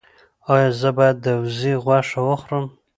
ایا زه باید د وزې غوښه وخورم؟